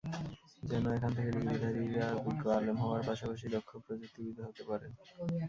যেন এখান থেকে ডিগ্রিধারীরা বিজ্ঞ আলেম হওয়ার পাশাপাশি দক্ষ প্রযুক্তিবিদও হতে পারেন।